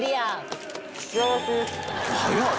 早っ！